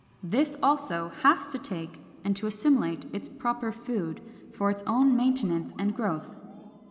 This also has to take and to assimilate its proper food, for its own maintenance and growth.